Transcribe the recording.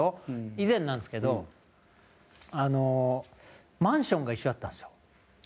以前なんですけどマンションが一緒だったんですよ。